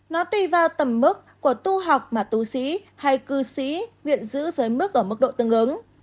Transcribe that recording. nó tùy vào tầm mức của tu học mà tu sĩ hay cư sĩ viện giữ giới mức ở mức độ tương ứng